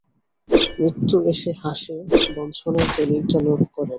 মৃত্যু এসে হাসে, বঞ্চনার দলিলটা লোপ করে দেয়।